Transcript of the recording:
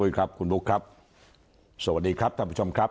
สวัสดีครับคุณปุ๊ยครับคุณปุ๊กครับสวัสดีครับท่านผู้ชมครับ